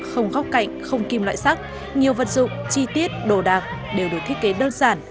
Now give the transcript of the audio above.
không góc cạnh không kim loại sắc nhiều vật dụng chi tiết đồ đạc đều được thiết kế đơn giản